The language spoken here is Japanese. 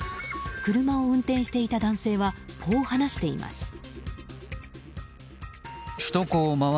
車を運転していた男性はこう話しています。